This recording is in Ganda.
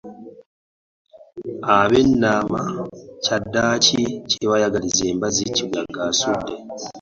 Ab'e Nama kyaddaaki kye baayagaliza embazzi kibuyaga asudde